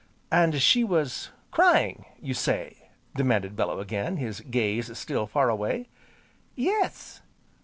"And she was crying, you say!" demanded Bellew again, his gaze still far away. "Yes."